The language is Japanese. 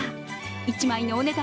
１枚のお値段